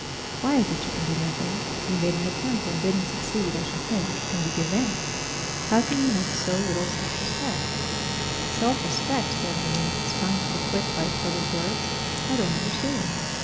"Why is it you can do nothing? You made an attempt and didn't succeed, as you think, and you give in. How can you have so little self respect?" "Self respect!" said Levin, stung to the quick by his brother's words; "I don't understand.